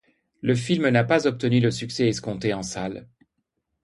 Le film n'a pas obtenu le succès escompté en salle.